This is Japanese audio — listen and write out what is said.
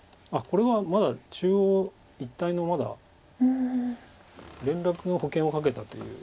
これはまだ中央一帯の連絡の保険を掛けたという。